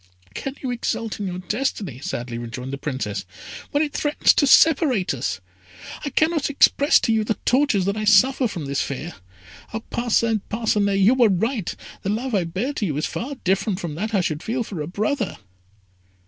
"Can you exult in your destiny," sadly rejoined the Princess, "when it threatens to separate us? I cannot express to you the tortures that I suffer from this fear! Ah, Parcin Parcinet, you were right! The love I bear to you is far different from that I should feel for a brother!"